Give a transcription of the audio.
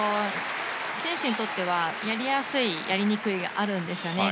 選手にとってはやりやすい、やりにくいがあるんですよね。